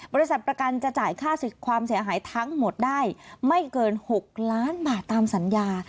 บริษัทประกันจะจ่ายค่าความเสียหายทั้งหมดได้ไม่เกิน๖ล้านบาทตามสัญญา